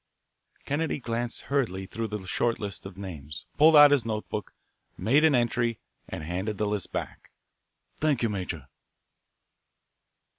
Kennedy glanced hurriedly through the short list of names, pulled out his notebook, made an entry, and handed the list back. "Thank you, Major."